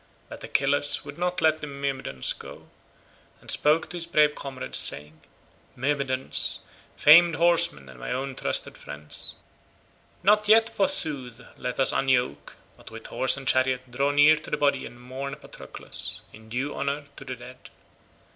But Achilles would not let the Myrmidons go, and spoke to his brave comrades saying, "Myrmidons, famed horsemen and my own trusted friends, not yet, forsooth, let us unyoke, but with horse and chariot draw near to the body and mourn Patroclus, in due honour to the dead.